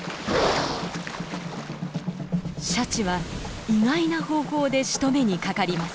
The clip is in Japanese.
シャチは意外な方法でしとめにかかります。